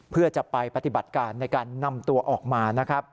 เพื่อจะไปปฏิบัติการในการนำตัวออกมานะครับ